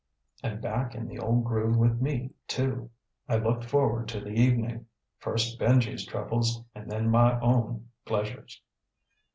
And back in the old groove with me, too. I looked forward to the evening first Benji's troubles and then my own pleasures.